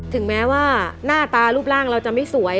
ถึงแม้ว่าหน้าตารูปร่างเราจะไม่สวย